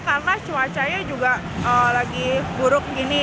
karena cuacanya juga lagi buruk gini